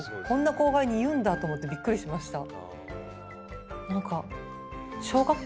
こんな後輩に言うんだと思ってびっくりしました。